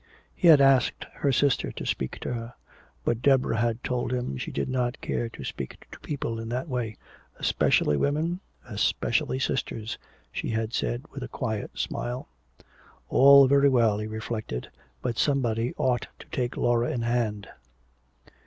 He had asked her sister to speak to her. But Deborah had told him she did not care to speak to people in that way "especially women especially sisters," she had said, with a quiet smile. All very well, he reflected, but somebody ought to take Laura in hand.